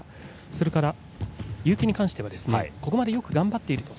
それから結城に関してはここまでよく頑張っていると。